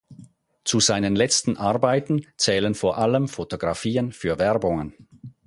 Zu seinen letzten Arbeiten zählen vor allem Fotografien für Werbungen.